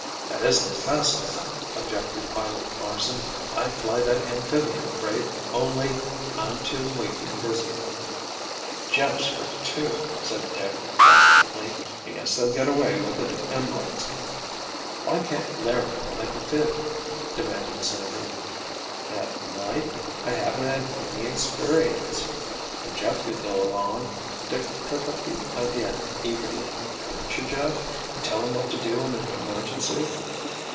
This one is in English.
"That isn't fast enough!" objected Pilot Larsen. "I'd fly that amphibian crate only—I'm too weak and dizzy——" "Jeff's hurt, too," said Dick, desperately. "I guess they'll get away with the emeralds!" "Why can't Larry fly the 'phib'?" demanded Sandy. "At night? I haven't had any experience." "But Jeff could go along." Dick took up the idea eagerly. "Couldn't you, Jeff? And tell him what to do in an emergency!"